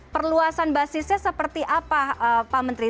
perluasan basisnya seperti apa pak menteri